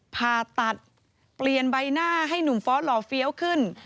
ผ่าตัดเปลี่ยนใบหน้าให้หนุ่มฟ้อนหล่อเฟี้ยวขึ้น